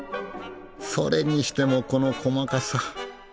それにしてもこの細かさ。